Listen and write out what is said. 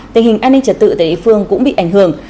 và sự tệ phương cũng bị ảnh hưởng